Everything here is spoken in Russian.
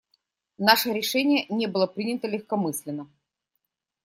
Наше решение не было принято легкомысленно.